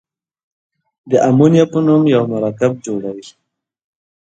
د امونیا په نوم یو مرکب جوړوي.